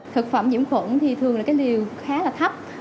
thực phẩm nhiễm khuẩn thì thường là cái liều khá là thấp